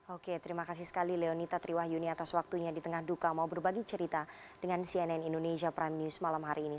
oke terima kasih sekali leonita triwahyuni atas waktunya di tengah duka mau berbagi cerita dengan cnn indonesia prime news malam hari ini